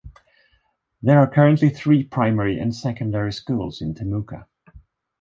There are currently three primary and secondary schools in Temuka.